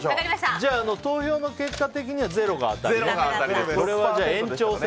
じゃあ投票の結果的にはゼロが当たり。